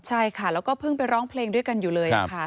ใช่ค่ะแล้วก็เพิ่งไปร้องเพลงด้วยกันอยู่เลยค่ะ